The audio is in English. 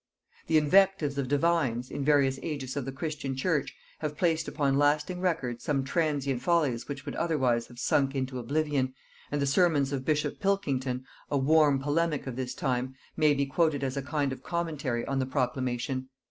The invectives of divines, in various ages of the Christian church, have placed upon lasting record some transient follies which would otherwise have sunk into oblivion, and the sermons of bishop Pilkington, a warm polemic of this time, may be quoted as a kind of commentary on the proclamation.